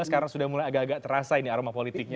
karena sudah mulai agak agak terasa ini aroma politiknya